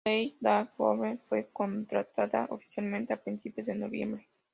Bryce Dallas Howard fue contratada oficialmente a principios de noviembre.